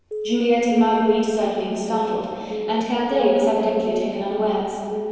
Juliette and Marguerite certainly were startled and Candeille was evidently taken unawares.